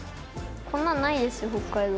こんなんないです北海道。